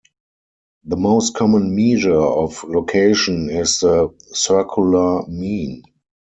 The most common measure of location is the circular mean.